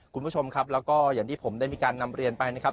คุณผู้ชมครับแล้วก็อย่างที่ผมได้มีการนำเรียนไปนะครับ